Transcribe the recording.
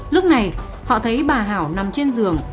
lúc này họ thấy bà hảo nằm trên giường